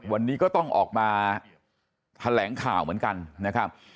วันนี้ก็ต้องออกมาแถลงข่าวเหมือนกันนะครับ